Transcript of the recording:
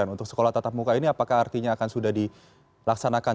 untuk sekolah tatap muka ini apakah artinya akan sudah dilaksanakan